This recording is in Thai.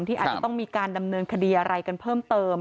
อาจจะต้องมีการดำเนินคดีอะไรกันเพิ่มเติม